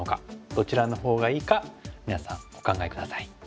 どちらのほうがいいか皆さんお考え下さい。